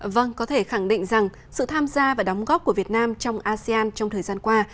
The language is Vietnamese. vâng có thể khẳng định rằng sự tham gia và đóng góp của việt nam trong asean trong thời gian qua